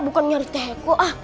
bukan nyari teko